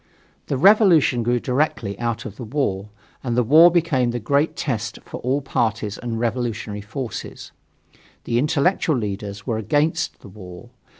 The revolution grew directly out of the war, and the war became the great test for all parties and revolutionary forces. The intellectual leaders were "against the war."